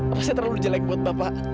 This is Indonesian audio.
apa saya terlalu jelek buat bapak